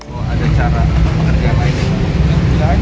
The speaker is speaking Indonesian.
kalau ada cara atau pekerjaan lainnya